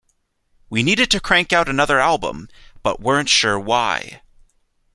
We needed to crank out another album, but weren't sure why...